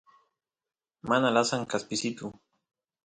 mana lasan kaspisitu